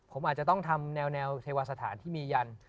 ผมอาจจะต้องทำแนวเทวาสถานที่มียัน